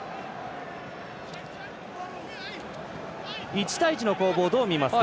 １対１の攻防、どう見ますか？